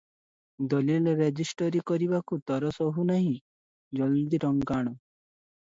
ଦଲିଲ ରେଜେଷ୍ଟରୀ କରିବାକୁ ତର ସହୁ ନାହିଁ, ଜଲଦି ଟଙ୍କା ଆଣ ।